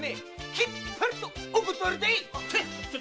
きっぱりとお断りでいっ！